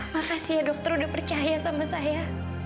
makasih ya dokter udah percaya sama saya